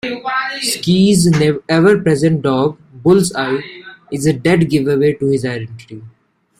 Sikes's ever-present dog, Bullseye, is a dead giveaway to his identity.